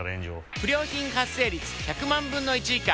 不良品発生率１００万分の１以下。